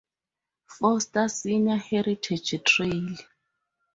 Foster Senior Heritage Trail.